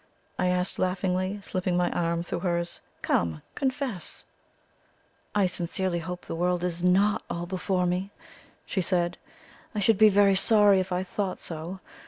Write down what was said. I asked laughingly, slipping my arm through hers. "Come, confess!" Zara looked at me gravely. "I sincerely hope the world is NOT all before me," she said; "I should be very sorry if I thought so.